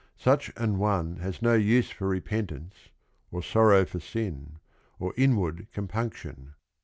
Such an one has no use for repent ance or sorrow for sin, or inward compunction.